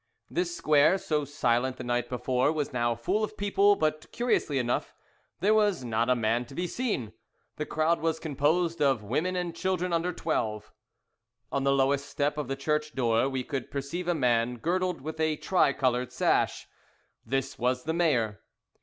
This square, so silent the night before, was now full of people, but curiously enough there was not a man to be seen, the crowd was composed of women and children under twelve. On the lowest step of the church door we could perceive a man girdled with a tri coloured sash. This was the mayor.